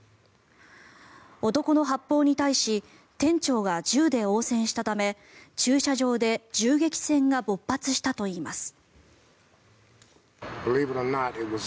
男の発砲に対し店長は銃で応戦したため駐車場で銃撃戦が勃発したといいます。